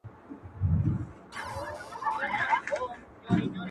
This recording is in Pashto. وطن له سره جوړوي بیرته جشنونه راځي،